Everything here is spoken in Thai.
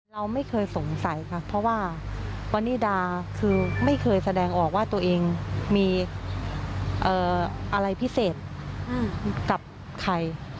เราไม่เคยสงสัยค่ะเพราะว่าวันนี้ดาคือไม่เคยแสดงออกว่าตัวเองมีอะไรพิเศษกับใคร